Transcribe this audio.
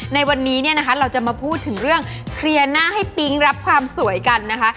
ในวันนี้เนี่ยนะคะเราจะมาพูดถึงเรื่องเคลียร์หน้าให้ปิ๊งรับความสวยกันนะคะ